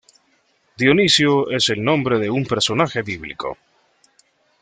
Dionisio es el nombre de un personaje bíblico;